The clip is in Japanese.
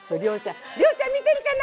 りょうちゃん見てるかな？